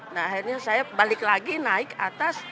nah akhirnya saya balik lagi naik atas